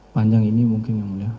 panjang ini mungkin yang mulia